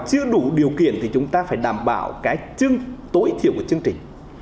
chứ đủ điều kiện thì chúng ta phải đảm bảo cái chân tối thiểu của chương trình